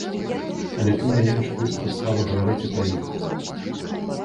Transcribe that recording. Але, тым не менш, ёсць падстава гаварыць і пра іх.